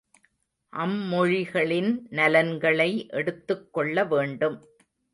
அம்மொழிகளின் நலன்களை எடுத்துக் கொள்ள வேண்டும்.